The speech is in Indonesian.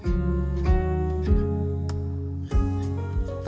taman ekenik di jakarta